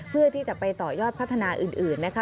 เพื่อที่จะไปต่อยอดพัฒนาอื่นนะคะ